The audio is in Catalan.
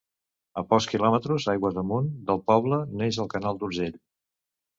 A pocs quilòmetres aigües amunt del poble neix el canal d'Urgell.